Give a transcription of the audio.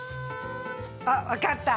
あっわかった！